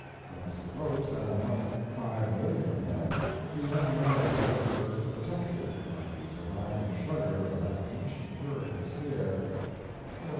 Let us suppose that among 5,000,000 of them the young married women were "protected" by the surviving shudder of that ancient Puritan scare what is M.